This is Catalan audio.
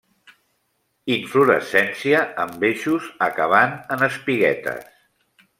Inflorescència amb eixos acabant en espiguetes.